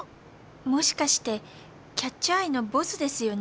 もしかしてキャッチュ・アイのボスですよね？